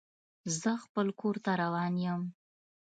زه خپل کور ته روان یم.